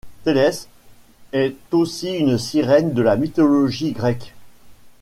Télès est aussi une sirène de la mythologie grecque.